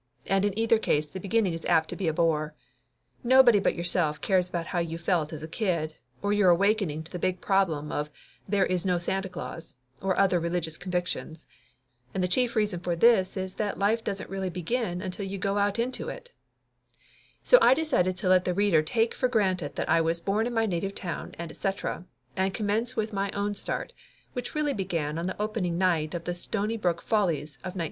And in either case the beginning is apt to be a bore. Nobody but yourself cares about how you felt as a kid, or your awakening to the big problem of there is no Santa Claus, and other religious convictions. And the chief reason for this is that life doesn't really begin until you go out into it. So I decided to let the reader take for granted that I was born in my native town, and et cetera, and com mence with my own start, which really began on the opening night of The Stonybrook Follies of 1920.